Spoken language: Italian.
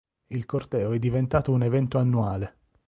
Il Corteo è diventato un evento annuale.